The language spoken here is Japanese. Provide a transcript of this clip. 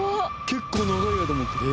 結構長い間持ってる。